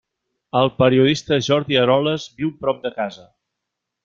El periodista Jordi Eroles viu prop de casa.